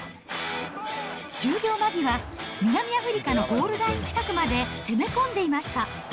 終了間際、南アフリカのゴールライン近くまで攻め込んでいました。